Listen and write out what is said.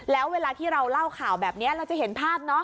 แล้วเวลาที่เราเล่าข่าวแบบนี้เราจะเห็นภาพเนาะ